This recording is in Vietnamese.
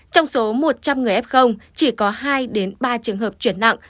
trong số một trăm linh người f chỉ có hai ba trường hợp chuyển nặng